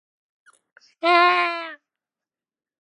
My tutor days are not satisfactory in the retrospect.